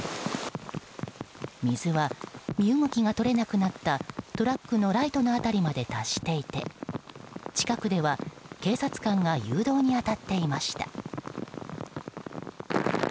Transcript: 水は身動きが取れなくなったトラックのライトの辺りまで達していて近くでは警察官が誘導に当たっていました。